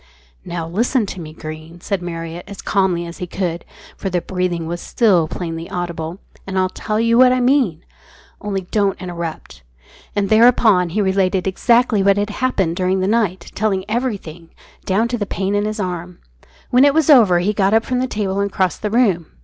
"Now, listen to me, Greene," said Marriott, as calmly as he could, for the breathing was still plainly audible, "and I'll tell you what I mean, only don't interrupt." And thereupon he related exactly what had happened during the night, telling everything, even down to the pain in his arm. When it was over he got up from the table and crossed the room.